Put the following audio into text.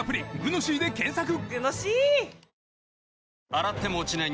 洗っても落ちない